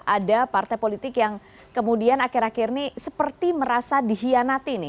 ada partai politik yang kemudian akhir akhir ini seperti merasa dihianati nih